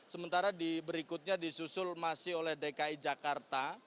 sementara di berikutnya disusul masih oleh dki jakarta